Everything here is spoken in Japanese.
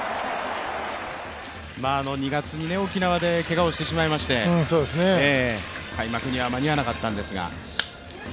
２月に沖縄でけがをしてしまいまして開幕には間に合わなかったんですが。